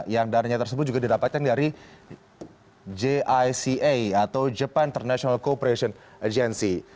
yang dananya tersebut juga didapatkan dari gica atau japan international cooperation agency